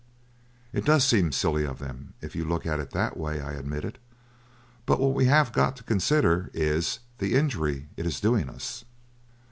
"It does seem silly of them, if you look at it that way," I admitted, "but what we have got to consider is, the injury it is doing us."